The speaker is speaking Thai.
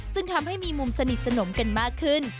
ซึ่งทำให้มีมุมสนิทสนมกันมากขึ้น